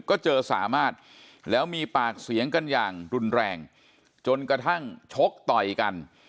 ก็เจอสามารถแล้วมีปากเสียงกันอย่างรุนแรงจนกระทั่งชกต่อยกัน